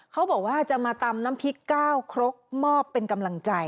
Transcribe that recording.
เขาบอกว่าจะมาตำน้ำพริก๙ครกมอบเป็นกำลังใจ